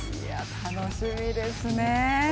楽しみですね。